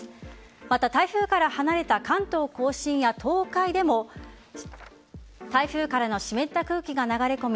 また、台風から離れた関東甲信や東海でも台風からの湿った空気が流れ込み